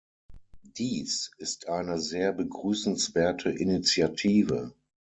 Dies ist eine sehr begrüßenswerte Initiative.